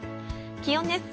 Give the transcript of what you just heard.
気温です。